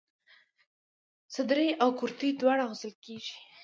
صدرۍ او کرتۍ دواړه اغوستل کيږي.